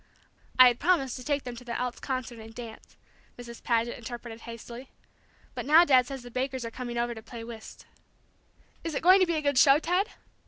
"I had promised to take them to the Elks Concert and dance," Mrs. Paget interpreted hastily. "But now Dad says the Bakers are coming over to play whist." "Is it going to be a good show, Ted?"